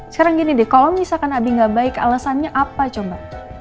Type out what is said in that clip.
sekarang gini deh kalau misalkan abi gak baik alasannya apa coba